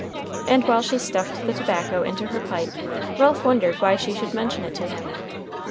And while she stuffed the tobacco into her pipe Ralph wondered why she should mention it to him.